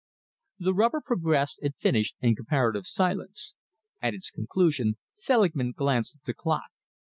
The rubber progressed and finished in comparative silence. At its conclusion, Selingman glanced at the clock.